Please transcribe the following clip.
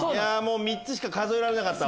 ３つしか数えられなかった。